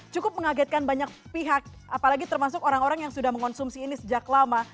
cukup mengagetkan banyak pihak apalagi termasuk orang orang yang sudah mengonsumsi ini sejak lama